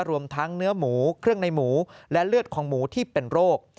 รวมทั้งเนื้อหมูเครื่องในหมูและเลือดของหมูที่เป็นโรค